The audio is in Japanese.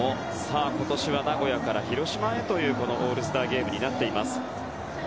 今年は名古屋から広島へというオールスターゲームになっています。